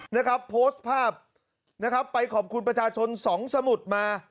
นะครับโพสต์ภาพไปขอบคุณประชาชน๒สมุทรมา